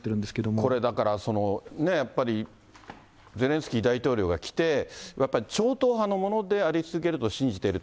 これだから、やっぱり、ゼレンスキー大統領が来て、やっぱり超党派のものであり続けると信じていると。